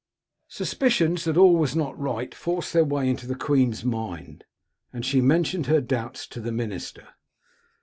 " Suspicions that all was not right forced their way into the queen's mind, and she mentioned her doubts to the minister.